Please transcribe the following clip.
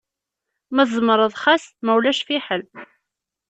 Ma tzemreḍ xas, ma ulac fḥel.